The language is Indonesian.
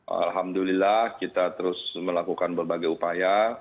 alhamdulillah kita terus melakukan berbagai upaya